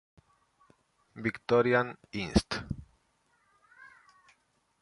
Victorian Inst.